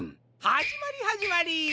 はじまりはじまり！